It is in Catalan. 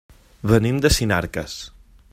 Venim de Sinarques.